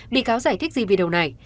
bị cáo giải thích gì video này